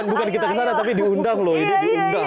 bukan kita ke sana tapi diundang loh ini diundang